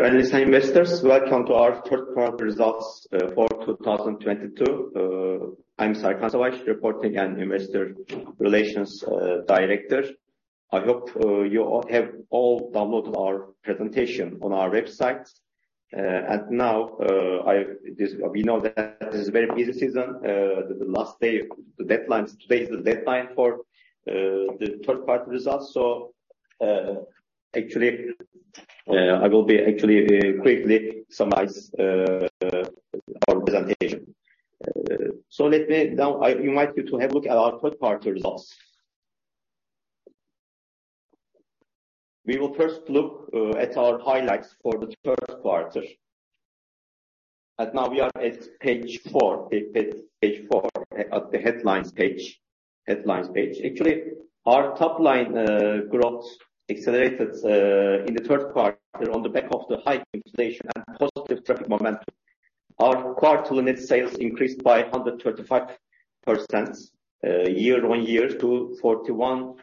Dear analysts and investors, welcome to our third quarter results for 2022. I'm Serkan Savaş, reporting and investor relations director. I hope you all have downloaded our presentation on our website. We know that this is a very busy season. Today is the deadline for the third quarter results. I will actually quickly summarize our presentation. Let me invite you to have a look at our third quarter results. We will first look at our highlights for the third quarter. Now we are at page four. Page four, at the headlines page. Actually, our top line growth accelerated in the third quarter on the back of the high inflation and positive traffic momentum. Our quarter net sales increased by 135% year-on-year to 41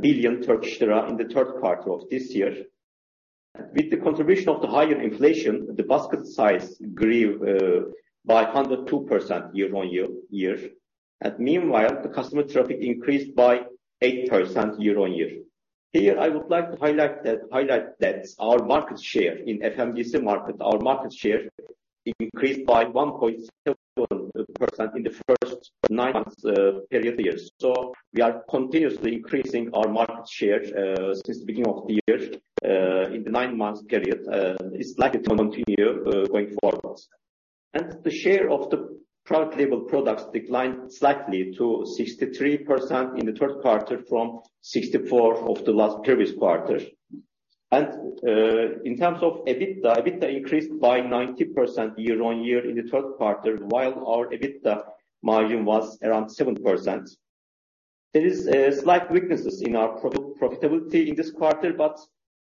billion Turkish lira in the third quarter of this year. With the contribution of the higher inflation, the basket size grew by 102% year-on-year. Meanwhile, the customer traffic increased by 8% year-on-year. Here, I would like to highlight that our market share in FMCG market increased by 1.7% in the first nine months period. We are continuously increasing our market share since beginning of the year in the nine months period is likely to continue going forwards. The share of the private label products declined slightly to 63% in the third quarter from 64% of the last previous quarter. In terms of EBITDA increased by 90% year-on-year in the third quarter, while our EBITDA margin was around 7%. There is slight weaknesses in our profitability in this quarter, but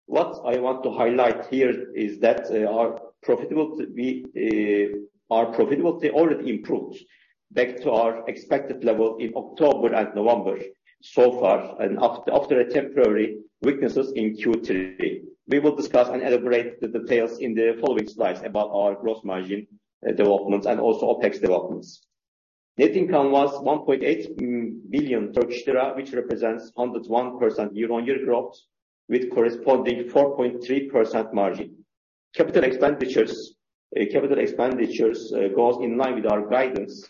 what I want to highlight here is that our profitability already improved back to our expected level in October and November so far, and after a temporary weaknesses in Q3. We will discuss and elaborate the details in the following slides about our gross margin developments and also OpEx developments. Net income was 1.8 billion Turkish lira, which represents 101% year-on-year growth with corresponding 4.3% margin. Capital expenditures goes in line with our guidance.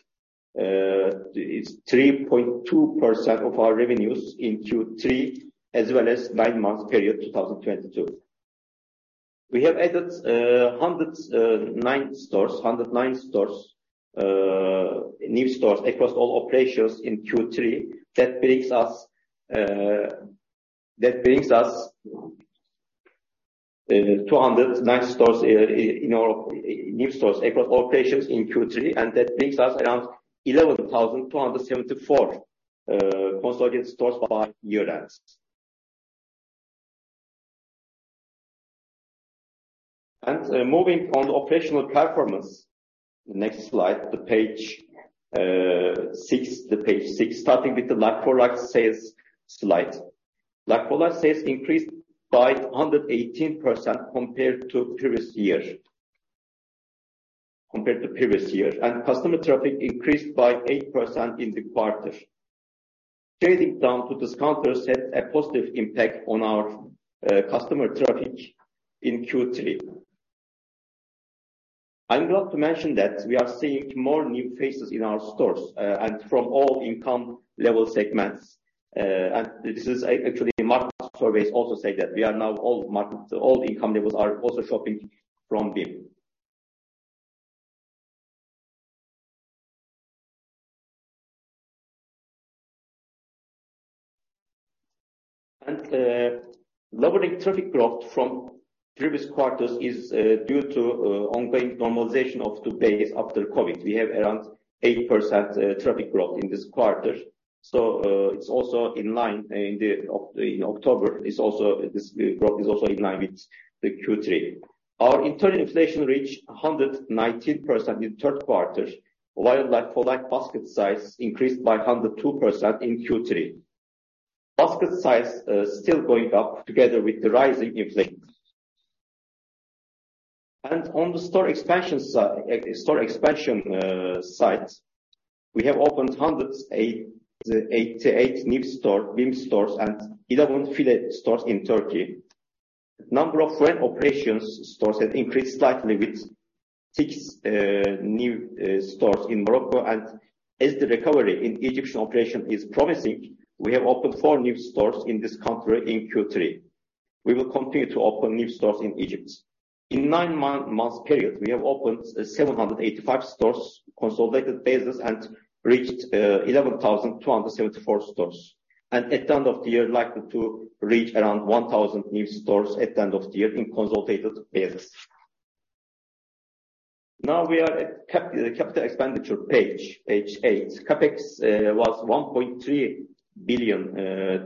It's 3.2% of our revenues in Q3 as well as nine months period, 2022. We have added 109 new stores across all operations in Q3. That brings us 209 stores in our new stores across all operations in Q3, and that brings us around 11,274 consolidated stores by year end. Moving on to operational performance. Next slide, page six. Starting with the like-for-like sales slide. Like-for-like sales increased by 118% compared to previous year. Customer traffic increased by 8% in the quarter. Trading down to discounters had a positive impact on our customer traffic in Q3. I'm glad to mention that we are seeing more new faces in our stores and from all income level segments. Actually market surveys also say that we are now all market, all income levels are also shopping from BİM. Lower traffic growth from previous quarters is due to ongoing normalization of the days after COVID. We have around 80% traffic growth in this quarter. It's also in line in October. This growth is also in line with the Q3. Our internal inflation reached 119% in third quarter, while like-for-like basket size increased by 102% in Q3. Basket size still going up together with the rising inflation. On the store expansion side, we have opened 188 new BİM stores and 11 FİLE stores in Turkey. Number of foreign operations stores had increased slightly with six new stores in Morocco. As the recovery in Egyptian operation is promising, we have opened four new stores in this country in Q3. We will continue to open new stores in Egypt. In 9 months period, we have opened 785 stores consolidated basis and reached 11,274 stores. At the end of the year likely to reach around 1,000 new stores at the end of the year in consolidated basis. Now we are at the capital expenditure page eight. CapEx was 1.3 billion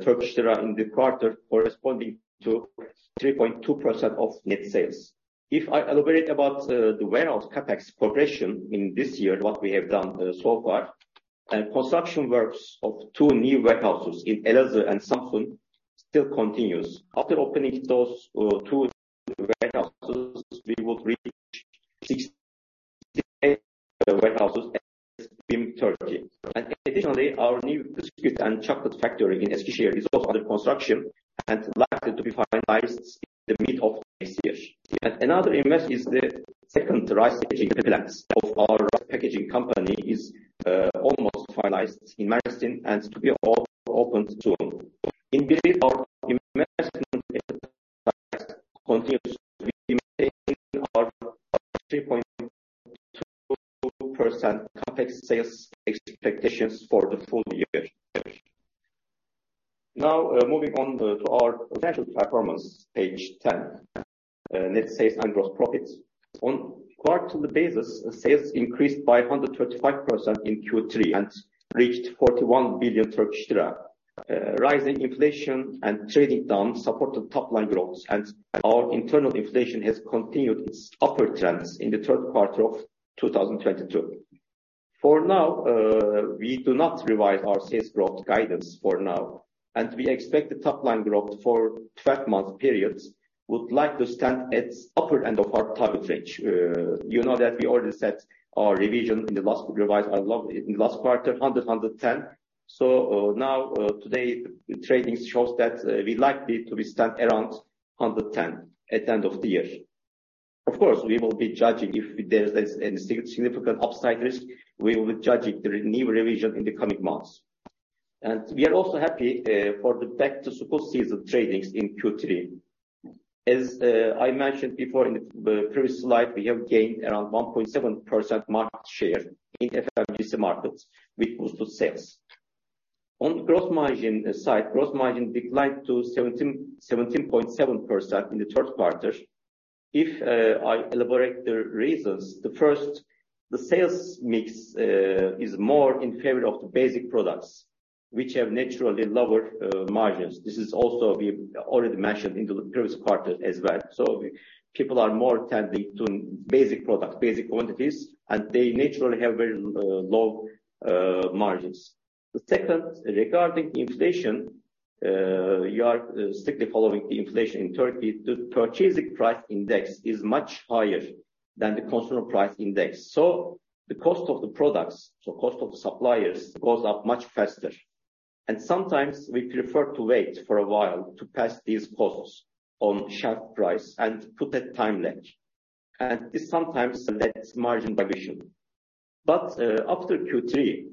Turkish lira in the quarter corresponding to 3.2% of net sales. If I elaborate about the warehouse CapEx progression in this year, what we have done so far. Construction works of two new warehouses in Elazığ and Samsun still continues. After opening those two warehouses, we would reach six warehouses in Turkey. Additionally, our new biscuit and chocolate factory in Eskişehir is also under construction and likely to be finalized in the middle of next year. Another investment is the second rice packaging plant of our packaging company is almost finalized in Mersin, and to be all opened soon. In brief, our investment continues to be maintaining our 3.2% CapEx sales expectations for the full year. Now, moving on to our financial performance, page 10. Net sales and gross profits. On quarterly basis, sales increased by 135% in Q3 and reached 41 billion Turkish lira. Rising inflation and trading down supported top line growth, and our internal inflation has continued its upward trends in the third quarter of 2022. For now, we do not revise our sales growth guidance for now, and we expect the top line growth for 12-month periods would likely stand at upper end of our target range. You know that we already set our revision in the last revision, in the last quarter 110%. Now, today's trading shows that we likely to be stand around 110% at the end of the year. Of course, we will be judging if there's any significant upside risk, we will be judging the new revision in the coming months. We are also happy for the back-to-school season trading in Q3. I mentioned before in the previous slide, we have gained around 1.7% market share in FMCG markets with good sales. On gross margin side, gross margin declined to 17.7% in the third quarter. If I elaborate the reasons, the first, the sales mix is more in favor of the basic products, which have naturally lower margins. This is also we already mentioned in the previous quarter as well. People are more tending to basic products, basic quantities, and they naturally have very low margins. The second, regarding inflation, you are strictly following the inflation in Turkey. The purchasing price index is much higher than the consumer price index. So the cost of the products, the cost of the suppliers goes up much faster. Sometimes we prefer to wait for a while to pass these costs onto shelf price and put a time lag. This sometimes leads to margin dilution. After Q3,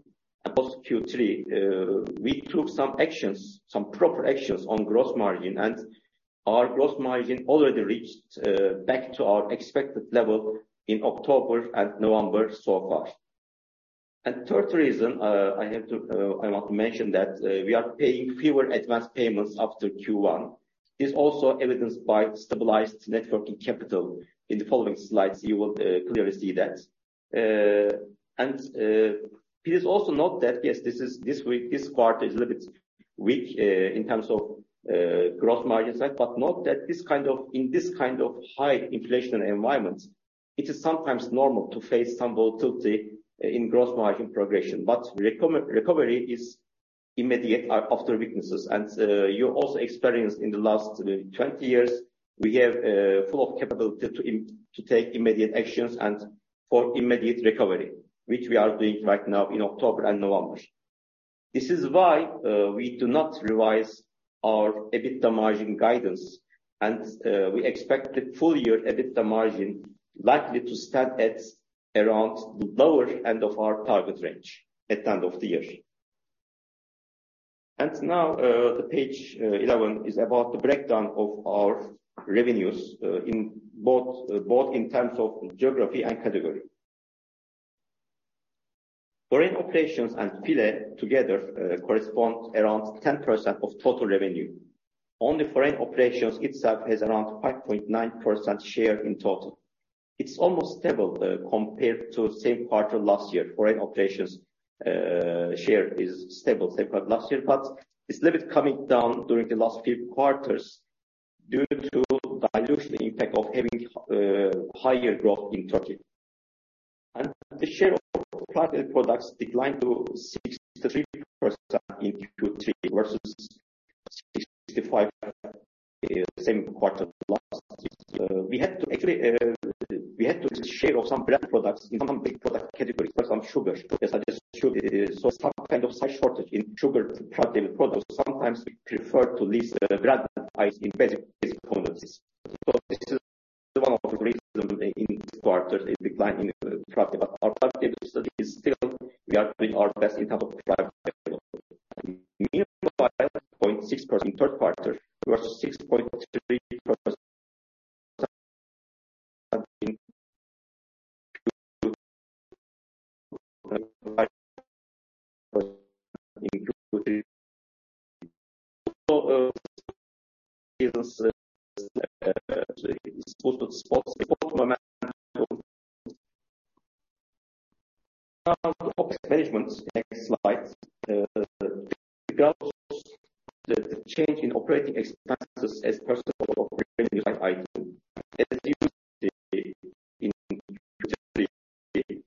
across Q3, we took some actions, some proper actions on gross margin, and our gross margin already reached back to our expected level in October and November so far. Third reason, I have to, I want to mention that, we are paying fewer advanced payments after Q1, is also evidenced by stabilized net working capital. In the following slides, you will clearly see that. Please also note that, yes, this quarter is a little bit weak in terms of growth margin side, but note that this kind of, in this kind of high inflation environment, it is sometimes normal to face some volatility in growth margin progression. Recovery is immediate after weaknesses. You also experienced in the last 20 years, we have full of capability to take immediate actions and for immediate recovery, which we are doing right now in October and November. This is why we do not revise our EBITDA margin guidance, and we expect the full year EBITDA margin likely to stand at around the lower end of our target range at the end of the year. Now, page 11 is about the breakdown of our revenues in terms of both geography and category. Foreign operations and FİLE together correspond around 10% of total revenue. Only foreign operations itself has around 5.9% share in total. It's almost stable compared to same quarter last year. Foreign operations share is stable last year. But it's a little bit coming down during the last few quarters due to dilution impact of having higher growth in Turkey. The share of private products declined to 63% in Q3 versus 65% same quarter last year. We had to actually increase the share of some brand products in some big product categories, for example, sugar. So there's some kind of supply shortage in sugar and staple products. Sometimes we prefer to list the brand items in basic commodities. This is one of the reason in this quarter a decline in the profit. Our profit still is, we are doing our best in terms of private label. Meanwhile, 0.6% third quarter versus 6.3%. Next slide. The change in operating expenses as a percentage of operating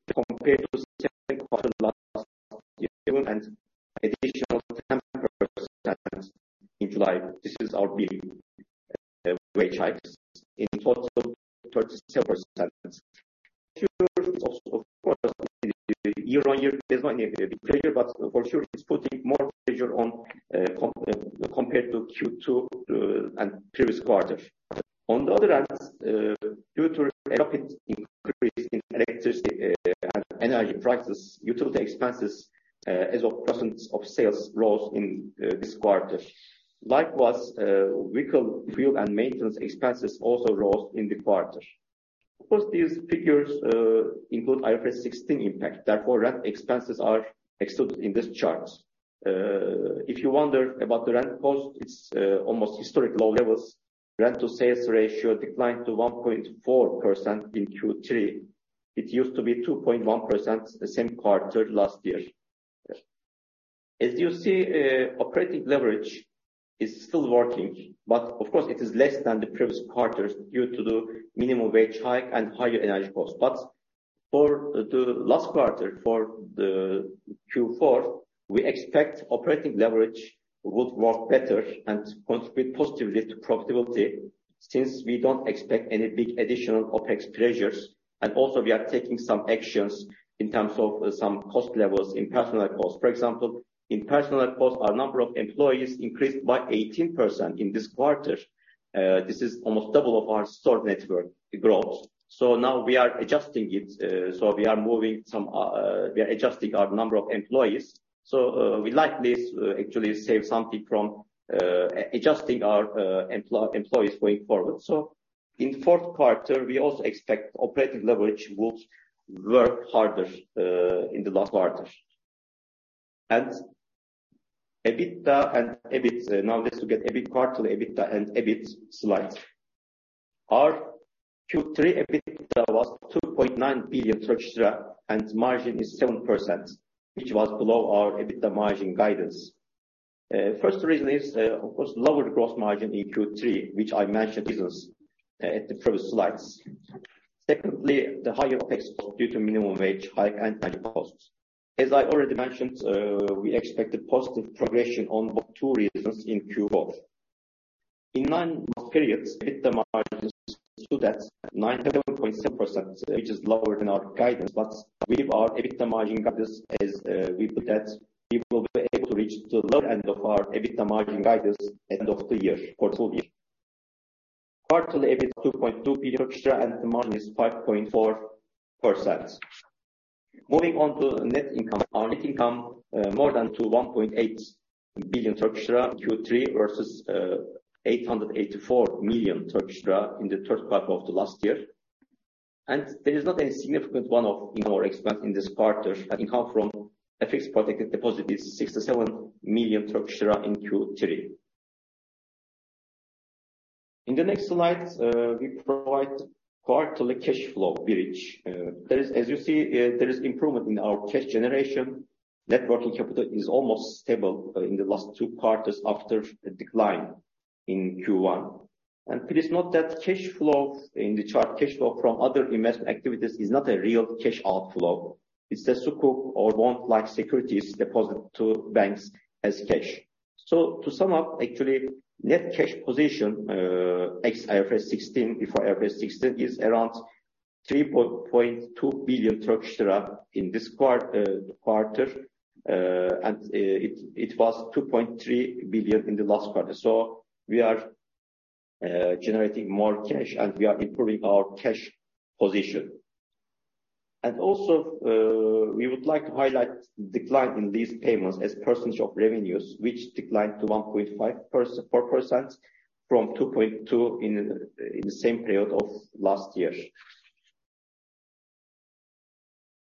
compared to last year and additional 10% in July. This is our big wage hikes. In total, 37%. Year-on-year, there's not any big pressure but for sure it's putting more pressure on, compared to Q2 and previous quarters. On the other hand, due to rapid increase in electricity and energy prices, utility expenses as a percentage of sales rose in this quarter. Likewise, vehicle fuel and maintenance expenses also rose in the quarter. Of course, these figures include IFRS 16 impact. Therefore, rent expenses are excluded in these charts. If you wonder about the rent cost, it's almost historically low levels. Rent to sales ratio declined to 1.4% in Q3. It used to be 2.1% the same quarter last year. As you see, operating leverage is still working, but of course it is less than the previous quarters due to the minimum wage hike and higher energy costs. For the last quarter, for the Q4, we expect operating leverage would work better and contribute positively to profitability since we don't expect any big additional OpEx pressures. We are taking some actions in terms of some cost levels in personnel costs. For example, in personal costs, our number of employees increased by 18% in this quarter. This is almost double of our store network growth. Now we are adjusting it. We are adjusting our number of employees. We like to actually save something from adjusting our employees going forward. In the fourth quarter, we also expect operating leverage would work harder in the last quarter. EBITDA and EBIT. Now let's look at EBITDA quarterly, EBITDA and EBIT slides. Our Q3 EBITDA was 2.9 billion Turkish lira, and margin is 7%, which was below our EBITDA margin guidance. First reason is, of course, lower gross margin in Q3, which I mentioned reasons in the previous slides. Secondly, the higher OpEx cost due to minimum wage hike and energy costs. As I already mentioned, we expect a positive progression on both two reasons in Q4. In nine months periods, EBITDA margin stood at 9.7%, which is lower than our guidance. We believe that we will be able to reach the lower end of our EBITDA margin guidance end of the year, for full year. Quarterly EBIT 2.2 billion, and the margin is 5.4%. Moving on to net income. Our net income more than doubled to 1.8 billion Turkish lira in Q3 versus 884 million Turkish lira in the third quarter of the last year. There is not any significant one-off in our expense in this quarter. Income from FX-protected deposit is 67 million Turkish lira in Q3. In the next slide, we provide quarterly cash flow bridge. As you see, there is improvement in our cash generation. Net working capital is almost stable in the last two quarters after a decline in Q1. Please note that cash flow in the chart, cash flow from other investment activities is not a real cash outflow. It's the sukuk or bond-like securities deposit to banks as cash. To sum up, actually, net cash position ex IFRS 16, before IFRS 16 is around 3.2 billion Turkish lira in this quarter. It was 2.3 billion in the last quarter. We are generating more cash, and we are improving our cash position. We would like to highlight decline in lease payments as percentage of revenues, which declined to 1.54% from 2.2% in the same period of last year.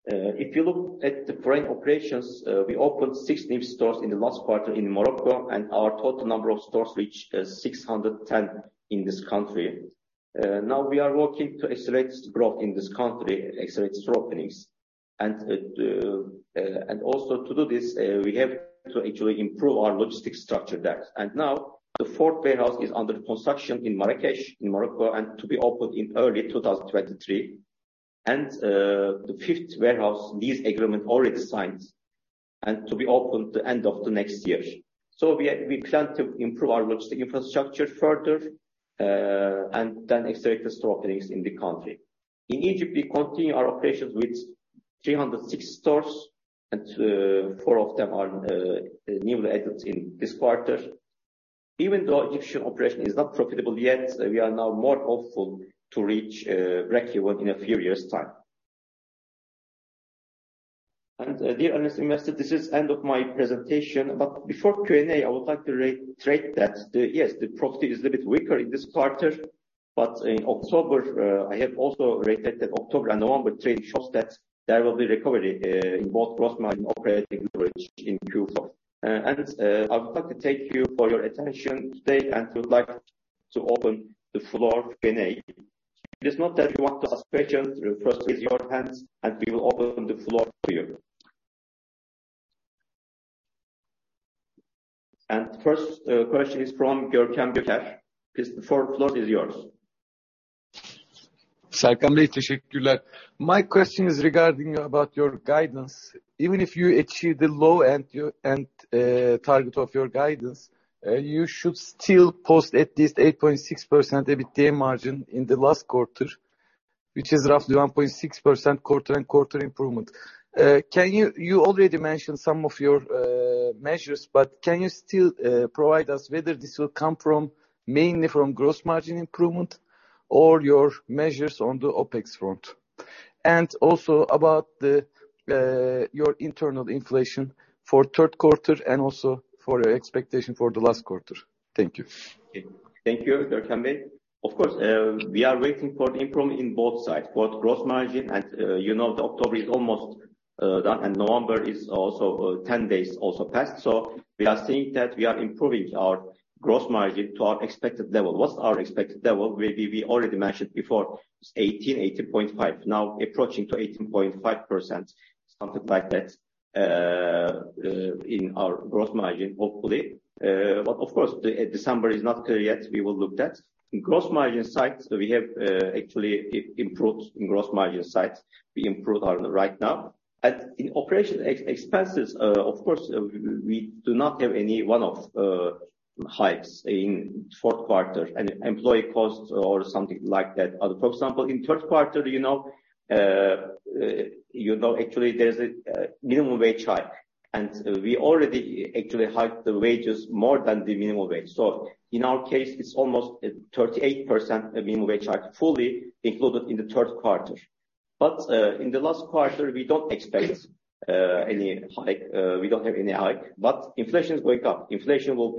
If you look at the foreign operations, we opened six new stores in the last quarter in Morocco, and our total number of stores reached 610 in this country. Now we are working to accelerate growth in this country, accelerate store openings. Also to do this, we have to actually improve our logistics structure there. Now the fourth warehouse is under construction in Marrakech, in Morocco, and to be opened in early 2023. The fifth warehouse, lease agreement already signed and to be opened the end of the next year. We plan to improve our logistics infrastructure further, and then accelerate the store openings in the country. In Egypt, we continue our operations with 306 stores, and four of them are newly added in this quarter. Even though Egyptian operation is not profitable yet, we are now more hopeful to reach breakeven in a few years' time. Dear analyst, investor, this is end of my presentation. Before Q&A, I would like to re-state that, yes, the profit is a bit weaker in this quarter. In October, I have also stated that October and November trading shows that there will be recovery in both gross margin operating leverage in Q4. I would like to thank you for your attention today and would like to open the floor Q&A. If you want to ask a question, you first raise your hands and we will open the floor for you. First question is from Görkem Göker. Please, the floor is yours. Serkan Bey, my question is regarding your guidance. Even if you achieve the low end year-end target of your guidance, you should still post at least 8.6% EBITDA margin in the last quarter, which is roughly 1.6% quarter-over-quarter improvement. You already mentioned some of your measures, but can you still provide us whether this will come mainly from gross margin improvement or your measures on the OpEx front? Also about your internal inflation for third quarter and also for your expectation for the last quarter. Thank you. Okay. Thank you, Görkem Bey. Of course, we are waiting for the improvement in both sides, both gross margin and, you know, the October is almost done, and November is also 10 days also passed. We are seeing that we are improving our gross margin to our expected level. What's our expected level? Maybe we already mentioned before, it's 18.5. Now approaching to 18.5%, something like that, in our gross margin, hopefully. Of course, the December is not clear yet, we will look that. In gross margin side, we have actually improved in gross margin side. We improved our right now. At the operating expenses, of course, we do not have any one-off hikes in fourth quarter, any employee costs or something like that. For example, in third quarter, you know, actually there's a minimum wage hike, and we already actually hiked the wages more than the minimum wage. In our case, it's almost a 38% minimum wage hike fully included in the third quarter. In the last quarter, we don't expect any hike. We don't have any hike. Inflation is going up. Inflation will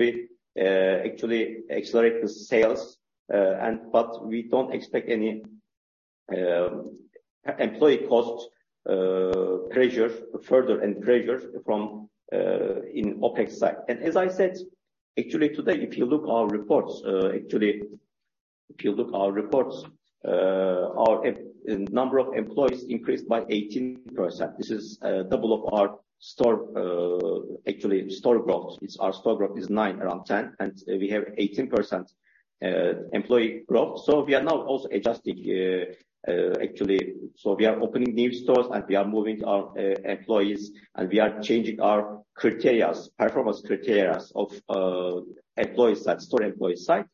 actually accelerate the sales, and we don't expect any further pressure from employee costs and pressure from the OpEx side. As I said, actually today, if you look our reports, our number of employees increased by 18%. This is double of our store growth. Our store growth is 9, around 10, and we have 18% employee growth. We are now also adjusting, actually. We are opening new stores, and we are moving our employees, and we are changing our criteria, performance criteria of employees side, store employee side.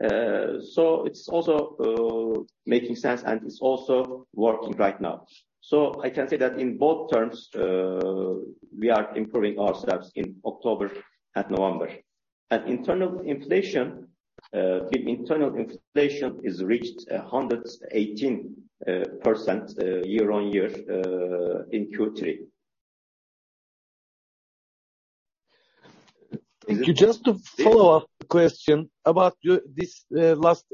It's also making sense and it's also working right now. I can say that in both terms, we are improving our staff in October and November. Internal inflation, the internal inflation is reached 118%, year-on-year, in Q3. Thank you. Just to follow up the question about this last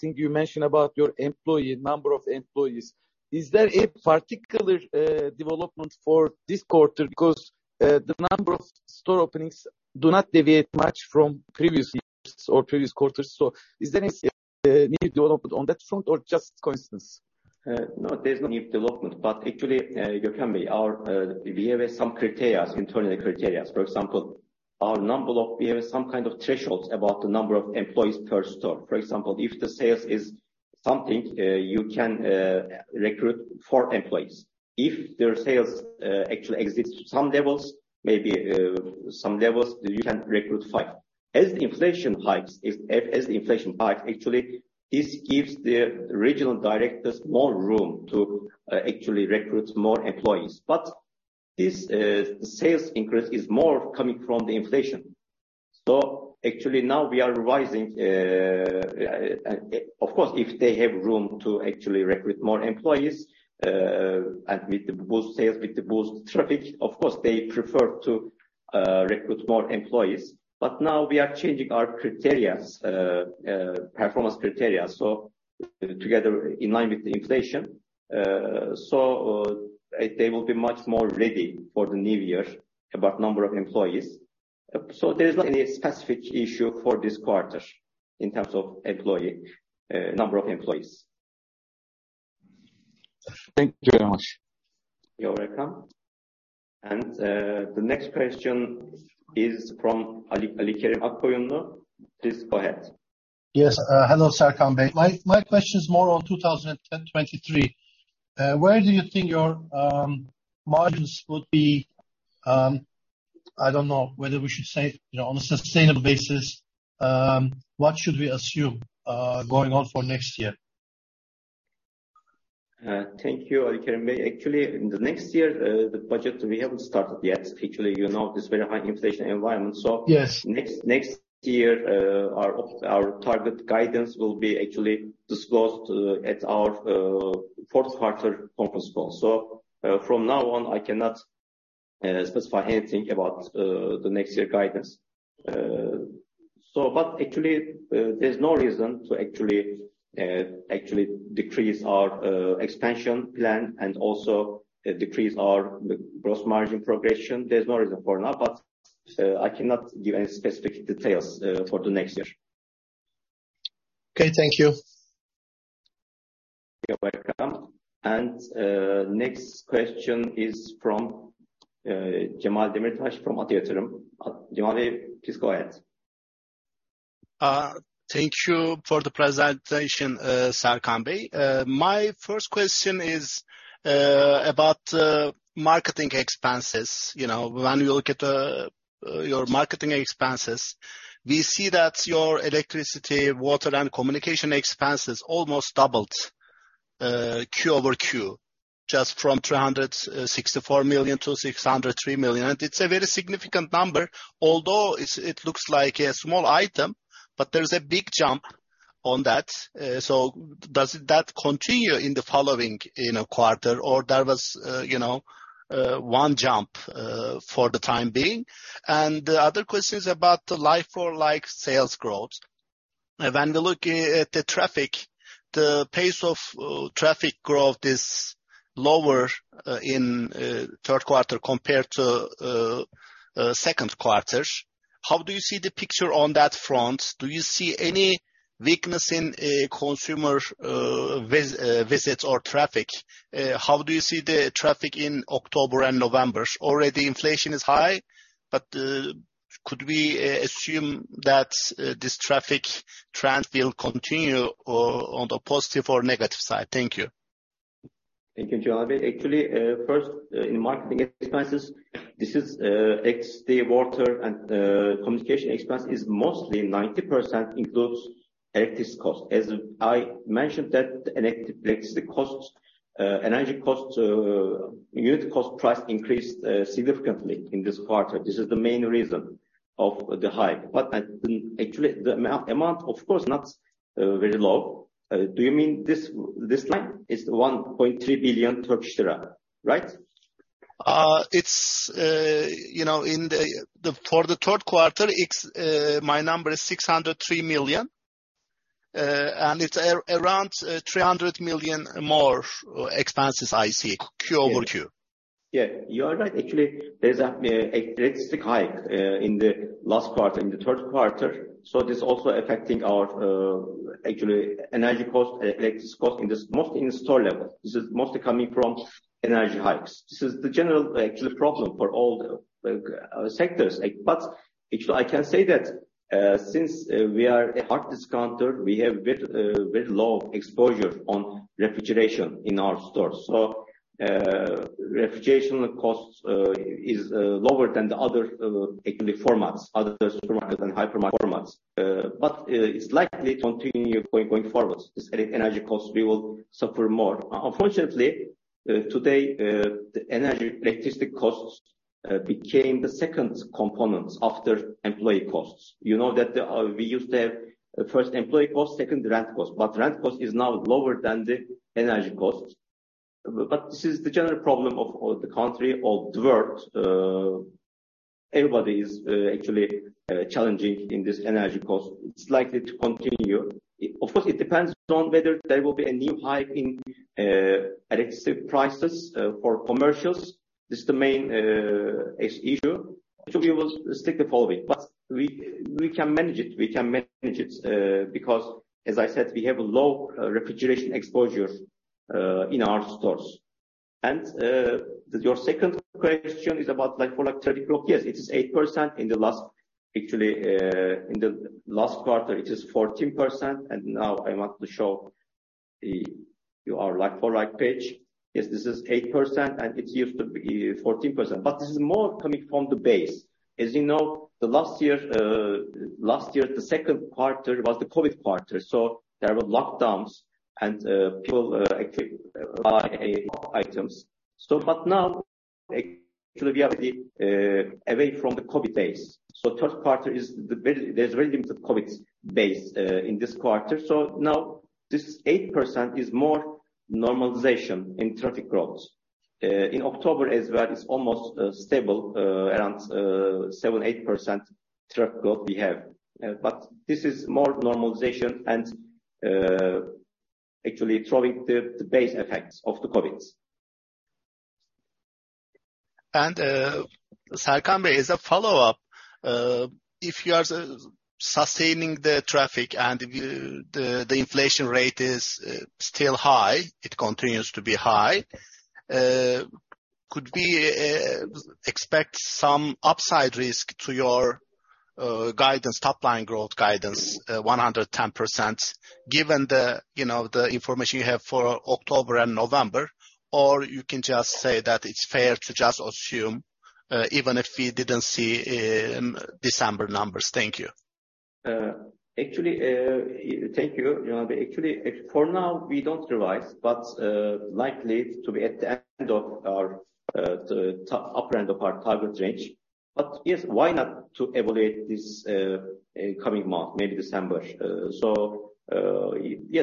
thing you mentioned about your employee number of employees. Is there a particular development for this quarter? Because the number of store openings do not deviate much from previous years or previous quarters. Is there any new development on that front or just coincidence? No, there's no new development. Actually, Görkem Bey, we have some criteria, internal criteria. For example, we have some kind of thresholds about the number of employees per store. For example, if the sales is something, you can recruit four employees. If their sales actually exceeds to some levels, maybe some levels, you can recruit five. As the inflation hikes, actually, this gives the regional directors more room to actually recruit more employees. This sales increase is more coming from the inflation. Actually, now we are revising. Of course, if they have room to actually recruit more employees, and with the boost sales, with the boost traffic, of course, they prefer to recruit more employees. Now we are changing our performance criteria together in line with the inflation. They will be much more ready for the new year about number of employees. There is not any specific issue for this quarter in terms of number of employees. Thank you very much. You're welcome. The next question is from Ali Kerem Akkoyunlu. Please go ahead. Yes. Hello, Serkan Bey. My question is more on 2023. Where do you think your margins would be, I don't know, whether we should say, you know, on a sustainable basis, what should we assume going on for next year? Thank you, Ali Kerem Akkoyunlu. Actually, in the next year, the budget we haven't started yet. Actually, you know, this very high inflation environment so Yes. Next year, our target guidance will be actually disclosed at our fourth quarter conference call. From now on, I cannot specify anything about the next year guidance. Actually, there's no reason to actually decrease our expansion plan and also decrease our gross margin progression. There's no reason for now. I cannot give any specific details for the next year. Okay, thank you. You're welcome. Next question is from Cemal Demirtaş from Ata Yatırım. Cemal, please go ahead. Thank you for the presentation, Serkan Bey. My first question is about marketing expenses. You know, when we look at your marketing expenses, we see that your electricity, water, and communication expenses almost doubled quarter-over-quarter, just from 364 million to 603 million. It's a very significant number, although it looks like a small item, but there's a big jump on that. So does that continue in the following, you know, quarter or that was one jump for the time being? The other question is about the like-for-like sales growth. When we look at the traffic, the pace of traffic growth is lower in third quarter compared to second quarter. How do you see the picture on that front? Do you see any weakness in consumer visits or traffic? How do you see the traffic in October and November? Already, inflation is high, but could we assume that this traffic trend will continue or on the positive or negative side? Thank you. Thank you, Cemal Demirtaş. Actually, first in marketing expenses, this is electricity, water, and communication expense is mostly 90% includes electricity cost. As I mentioned that electricity costs, energy costs, unit cost price increased significantly in this quarter. This is the main reason of the hike. Actually, the amount, of course, not very low. Do you mean this line? It's 1.3 billion Turkish lira, right? It's, you know, in the third quarter, it's my number is 603 million. It's around 300 million more expenses I see quarter-over-quarter. Yeah. You are right. Actually, there's a drastic hike in the last quarter, in the third quarter. This is also affecting our actually energy cost, electricity cost in this, mostly in store level. This is mostly coming from energy hikes. This is the general actually problem for all the sectors. Actually I can say that since we are a hard discounter, we have very low exposure on refrigeration in our stores. Refrigeration costs is lower than the other actually formats, other supermarkets and Hypermarket formats. But it's likely to continue going forwards. These energy costs, we will suffer more. Unfortunately today the energy, electricity costs became the second component after employee costs. You know that we used to have first employee costs, second rent costs, but rent cost is now lower than the energy costs. This is the general problem of all the country, all the world. Everybody is actually challenging in this energy cost. It's likely to continue. Of course, it depends on whether there will be a new hike in electricity prices for commercials. This is the main issue. We will stick the following. We can manage it. We can manage it because as I said, we have a low refrigeration exposure in our stores. Your second question is about like-for-like traffic growth. Yes, it is 8% in the last, actually in the last quarter, it is 14%. Now I want to show our like-for-like page. Yes, this is 8% and it used to be 14%, but this is more coming from the base. As you know, last year, the second quarter was the COVID quarter, so there were lockdowns and people actually buy items. But now, actually, we are away from the COVID days. Third quarter, there's very limited COVID base in this quarter. Now this 8% is more normalization in traffic growth. In October as well, it's almost stable around 7-8% traffic growth we have. But this is more normalization and actually throwing out the base effects of the COVID. Serkan Savaş Bey, as a follow-up, if you are sustaining the traffic and the inflation rate is still high, it continues to be high, could we expect some upside risk to your guidance, top line growth guidance, 110%, given the, you know, the information you have for October and November? Or you can just say that it's fair to just assume, even if we didn't see December numbers. Thank you. Actually, thank you. You know, actually, for now, we don't revise, but likely to be at the upper end of our target range. Yes, why not to evaluate this in coming month, maybe December. Yes,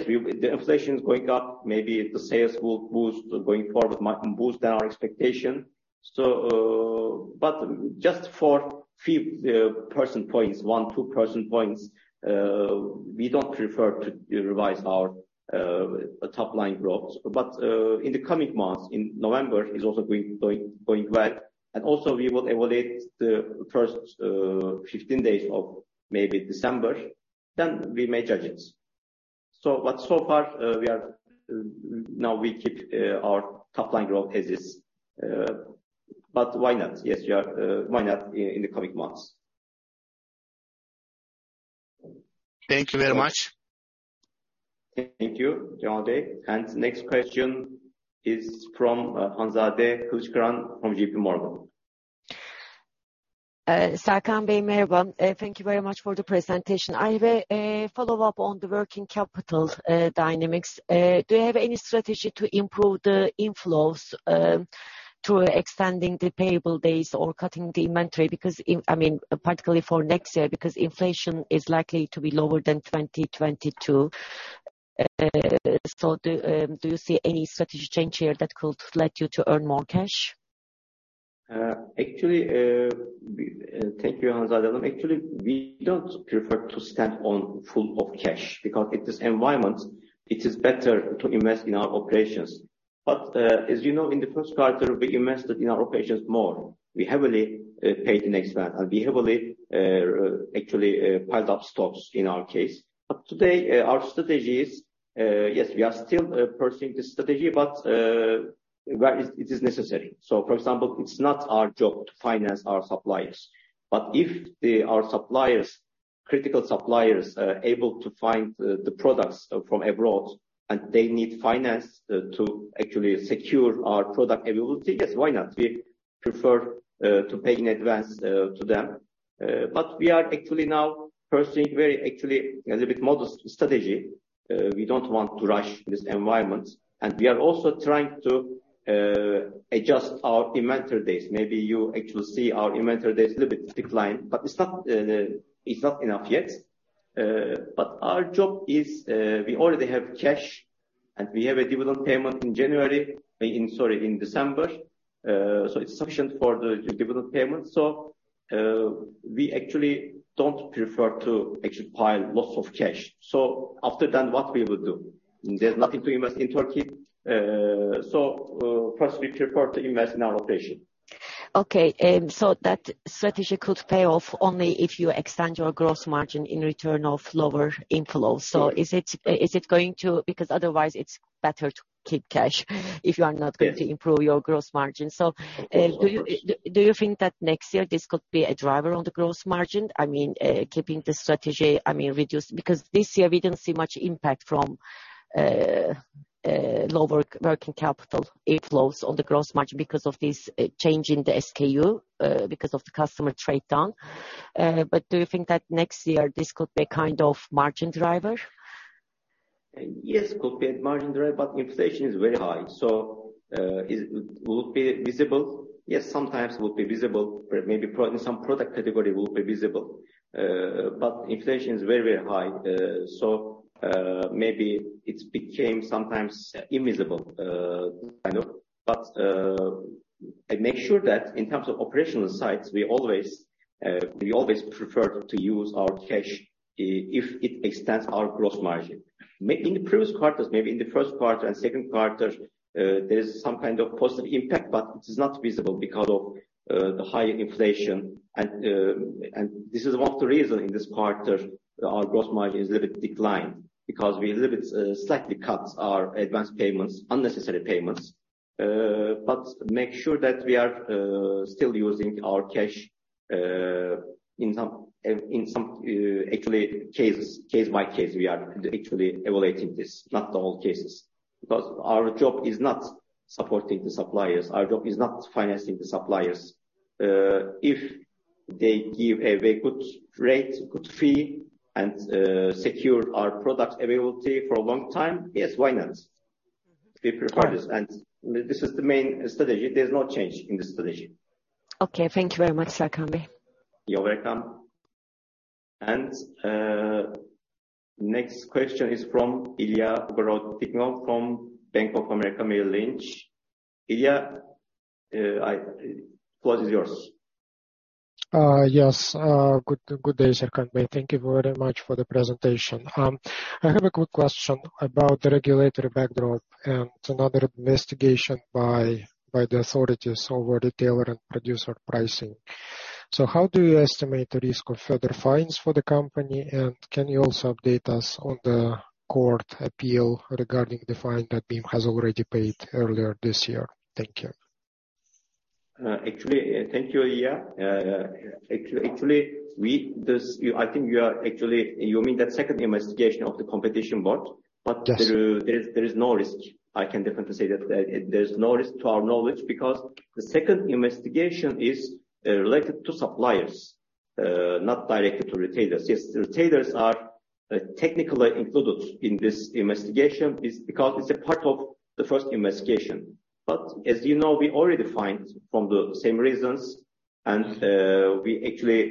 the inflation is going up. Maybe the sales will boost going forward, might boost our expectation. Just for few percentage points, one, two percentage points, we don't prefer to revise our top line growth. In the coming months, in November is also going well. Also we will evaluate the first 15 days of maybe December, then we may judge it. So far, we now keep our top line growth as is. Why not? Yes, we are, why not in the coming months. Thank you very much. Thank you, Cemal Demirtaş. Next question is from Hanzade Kılıçkıran from J.P. Morgan. Serkan Bey. Thank you very much for the presentation. I have a follow-up on the working capital dynamics. Do you have any strategy to improve the inflows through extending the payable days or cutting the inventory? Because I mean, particularly for next year, because inflation is likely to be lower than 2022. Do you see any strategy change here that could let you to earn more cash? Actually, thank you Hanzade. Actually, we don't prefer to stand on full of cash because in this environment it is better to invest in our operations. As you know, in the first quarter, we invested in our operations more. We heavily paid in advance, and we heavily actually piled up stocks in our case. Today, our strategy is yes we are still pursuing this strategy but where it is necessary. For example, it's not our job to finance our suppliers. If they, our suppliers, critical suppliers, are able to find the products from abroad, and they need finance to actually secure our product availability, yes, why not? We prefer to pay in advance to them. We are actually now pursuing very actually a little bit modest strategy. We don't want to rush this environment. We are also trying to adjust our inventory days. Maybe you actually see our inventory days a little bit decline, but it's not enough yet. Our job is, we already have cash, and we have a dividend payment in December. It's sufficient for the dividend payment. We actually don't prefer to actually pile lots of cash. After then, what we will do? There's nothing to invest in Turkey. First we prefer to invest in our operation. That strategy could pay off only if you extend your gross margin in return of lower inflows. Is it going to? Because otherwise it's better to keep cash if you are not- Yeah. going to improve your gross margin. Of course. Do you think that next year this could be a driver on the gross margin? I mean, keeping the strategy, I mean, reduced. Because this year we didn't see much impact from lower working capital inflows on the gross margin because of this change in the SKU because of the customer trade down. Do you think that next year this could be a kind of margin driver? Yes, could be a margin driver, but inflation is very high. Will it be visible? Yes, sometimes will be visible. Maybe in some product category will be visible. But inflation is very, very high. Maybe it's became sometimes invisible, kind of. I make sure that in terms of operational sites, we always prefer to use our cash if it extends our gross margin. In the previous quarters, maybe in the first quarter and second quarter, there is some kind of positive impact, but it is not visible because of the high inflation. This is one of the reason in this quarter our gross margin is a little bit declined, because we a little bit slightly cuts our advanced payments, unnecessary payments. Make sure that we are still using our cash in some actual cases, case by case. We are actually evaluating this, not all cases. Our job is not supporting the suppliers. Our job is not financing the suppliers. If they give a very good rate, good fee, and secure our product availability for a long time, yes, why not? We prefer this. Right. This is the main strategy. There's no change in the strategy. Okay, thank you very much, Serkan Bey. You're welcome. Next question is from Ilya Ogorodnikov from Bank of America Merrill Lynch. Ilya, the floor is yours. Good day, Serkan Bey. Thank you very much for the presentation. I have a quick question about the regulatory backdrop and another investigation by the authorities over retailer and producer pricing. How do you estimate the risk of further fines for the company, and can you also update us on the court appeal regarding the fine that BİM has already paid earlier this year? Thank you. Actually, thank you, Ilya. Actually, I think you mean that second investigation of the Competition Board? Yes. There is no risk. I can definitely say that there's no risk to our knowledge because the second investigation is related to suppliers, not directly to retailers. Yes, the retailers are technically included in this investigation because it's a part of the first investigation. As you know, we already fined for the same reasons, and we actually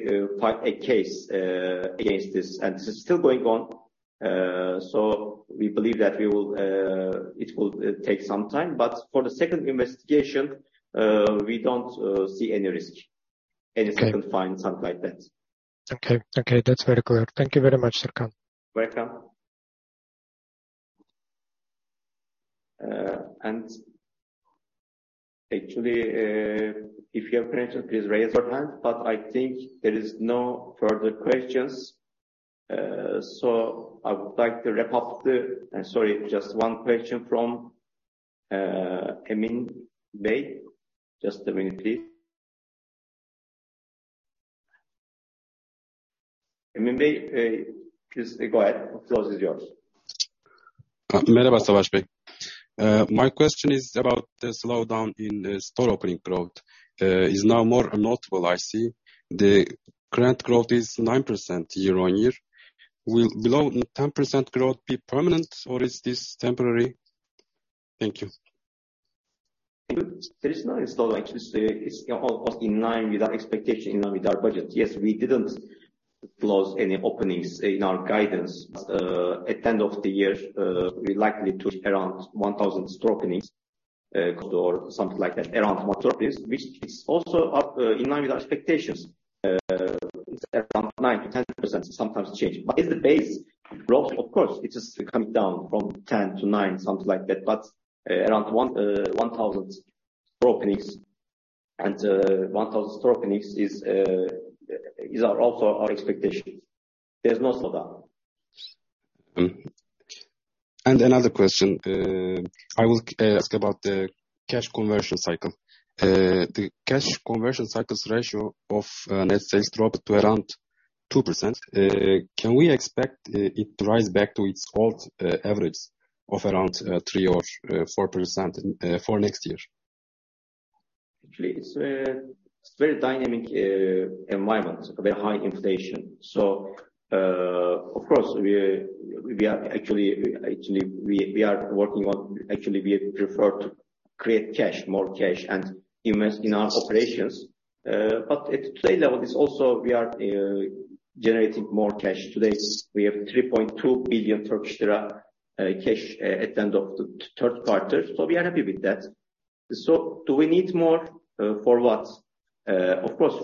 fight a case against this, and this is still going on. We believe that it will take some time. For the second investigation, we don't see any risk. Okay. In a second, fine, something like that. Okay. Okay, that's very clear. Thank you very much, Serkan. Welcome. Actually, if you have questions, please raise your hand. I think there is no further questions. Sorry, just one question from Emin Bey. Just a minute, please. Emin Bey, please go ahead. The floor is yours. My question is about the slowdown in the store opening growth, is now more notable I see. The current growth is 9% year-on-year. Will below 10% growth be permanent or is this temporary? Thank you. There is no slowdown, actually. It's all in line with our expectation, in line with our budget. Yes, we didn't close any openings in our guidance. At the end of the year, we're likely to around 1000 store openings, or something like that. Around store openings, which is also up, in line with our expectations, around 9%-10%, sometimes change. Is the base growth? Of course, it is coming down from 10% to 9%, something like that. Around 1000 store openings and 1000 store openings is also our expectation. There's no slowdown. Another question. I will ask about the cash conversion cycle. The cash conversion cycle's ratio of net sales dropped to around 2%. Can we expect it to rise back to its old average of around 3% or 4% for next year? Actually, it's a very dynamic environment, very high inflation. Of course, actually we prefer to create cash, more cash and invest in our operations. At today's level we are also generating more cash. Today we have 3.2 billion Turkish lira cash at the end of the third quarter. We are happy with that. Do we need more, for what? Of course,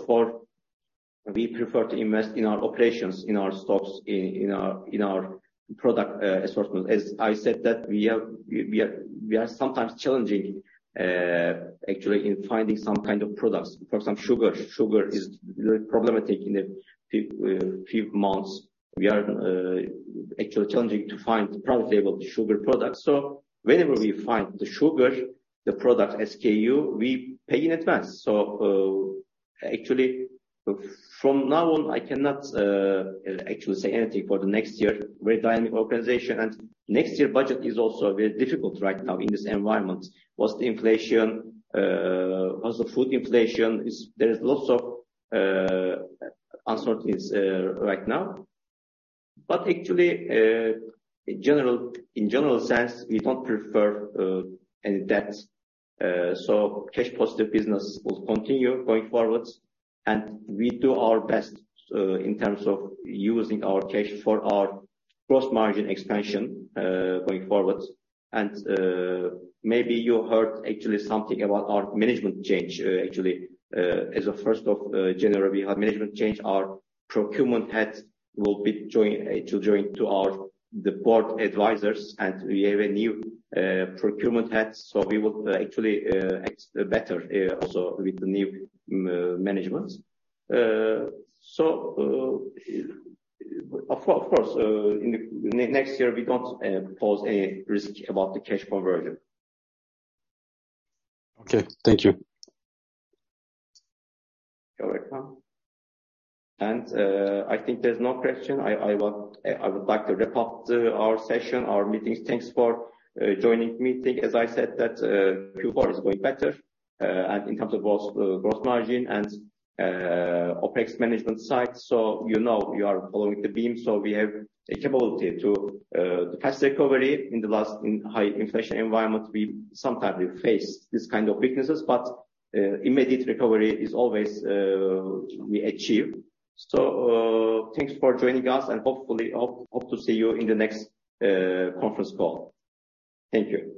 we prefer to invest in our operations, in our stocks, in our product assortment. As I said, we are sometimes challenging actually in finding some kind of products. For example, sugar. Sugar is very problematic in a few months. We are actually challenging to find private label sugar products. Whenever we find the sugar, the product SKU, we pay in advance. Actually, from now on, I cannot actually say anything for the next year. Very dynamic organization. Next year budget is also very difficult right now in this environment. What's the inflation? What's the food inflation? There is lots of uncertainties right now. Actually, in general sense, we don't prefer any debts. Cash positive business will continue going forward. We do our best in terms of using our cash for our gross margin expansion going forward. Maybe you heard actually something about our management change. Actually, as of first of January, we have management change. Our procurement head will be joining our Board Advisors, and we have a new procurement head. We will actually expect better also with the new management. Of course, in the next year, we don't pose a risk about the cash conversion. Okay. Thank you. You're welcome. I think there's no question. I would like to wrap up our session, our meeting. Thanks for joining meeting. As I said that Q4 is going better and in terms of gross margin and OpEx management side. You know, you are following the BİM. We have a capability to the fast recovery in the last in high inflation environment, we sometimes face these kind of weaknesses, but immediate recovery is always we achieve. Thanks for joining us and hopefully hope to see you in the next conference call. Thank you.